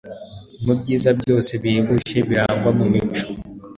Mu byiza byose bihebuje birangwa mu mico,